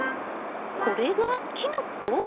これがキノコ？